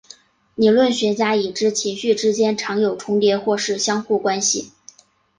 理论学家已知情绪之间常有重叠或是相互关系。